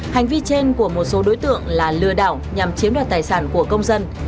hành vi trên của một số đối tượng là lừa đảo nhằm chiếm đoạt tài sản của công dân